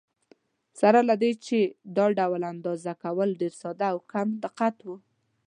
سره له دې چې دا ډول اندازه کول ډېر ساده او کم دقت و.